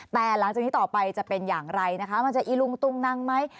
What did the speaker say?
แต่หลังจากนี้ต่อไปจะเป็นอย่างไรนะคะมันจะอีลุงตุงนังไหม